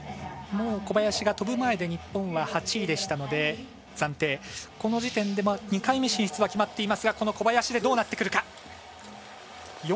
小林が飛ぶ前で８位でしたのでこの時点で２回目進出は決まっていますがこの小林でどうなってくるか。